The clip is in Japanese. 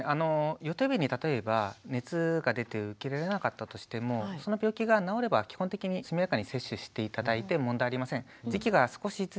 予定日に例えば熱が出て受けられなかったとしてもその病気が治れば基本的に速やかに接種して頂いて問題ありません。